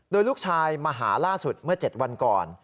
โดยลูกชายมาหาล่าสุดเมื่อ๗วันก่อน